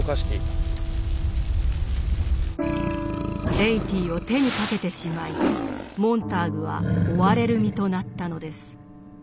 ・ベイティーを手にかけてしまいモンターグは追われる身となったのです。